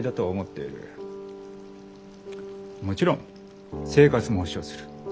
もちろん生活も保障する。